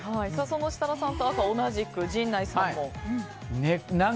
そんな設楽さんと同じく陣内さんも赤。